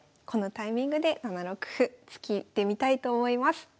このタイミングで７六歩突いてみたいと思います。